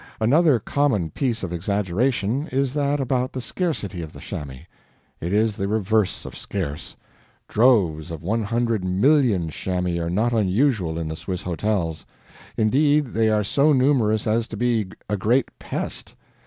Another common piece of exaggeration is that about the "scarcity" of the chamois. It is the reverse of scarce. Droves of one hundred million chamois are not unusual in the Swiss hotels. Indeed, they are so numerous as to be a great pest.